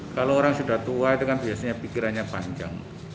kalau orang sudah tua itu kan biasanya pikirannya panjang